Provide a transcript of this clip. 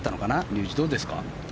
竜二、どうですか。